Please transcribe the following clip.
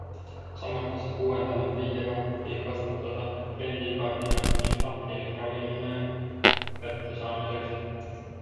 Samuti saab uuendamata ID-kaarti kasutada kliendikaardina ning apteegis ravimine kätte saamiseks.